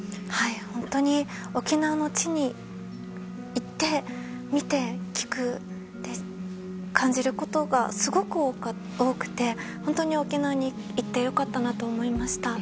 本当に沖縄の地に行って、見て、聞いて感じることがすごく多くて本当に沖縄に行ってよかったなと思いました。